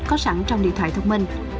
có sẵn trong điện thoại thông minh